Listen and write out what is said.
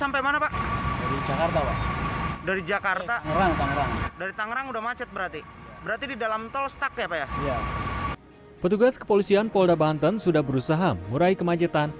petugas kepolisian polda banten sudah berusaha mengurai kemacetan